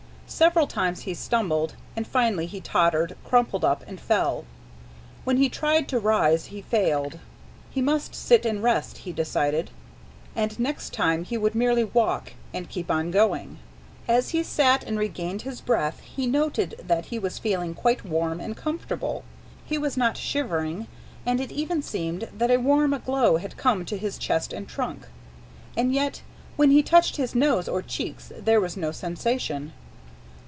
Several times he stumbled, and finally he tottered, crumpled up, and fell. When he tried to rise, he failed. He must sit and rest, he decided, and next time he would merely walk and keep on going. As he sat and regained his breath, he noted that he was feeling quite warm and comfortable. He was not shivering, and it even seemed that a warm glow had come to his chest and trunk. And yet, when he touched his nose or cheeks, there was no sensation.